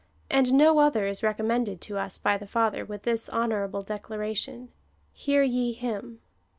8,) and no other is recommended to us by the Father v/ith this honourable declaration/ " Hear ye him.''